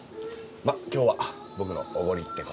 まあ今日は僕のおごりって事で。